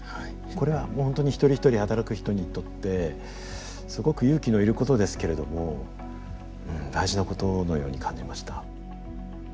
これは本当に一人一人働く人にとってすごく勇気のいることですけれどもうん大事なことのように感じました。